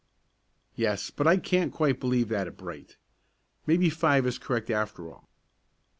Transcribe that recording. "Yes, but I can't quite believe that of Bright. Maybe five is correct after all."